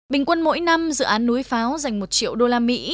bình quân mỗi năm dự án núi pháo dành một triệu đô la mỹ